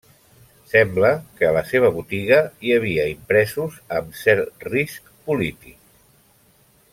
Sembla que a la seva botiga hi havia impresos amb cert risc polític.